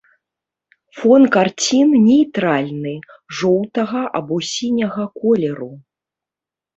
Фон карцін нейтральны, жоўтага або сіняга колеру.